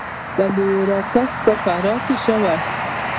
د الوویرا کښت په فراه کې شوی